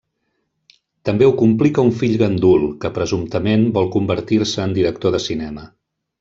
També ho complica un fill gandul, que presumptament vol convertir-se en director de cinema.